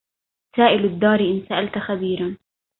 سائل الدار إن سألت خبيرا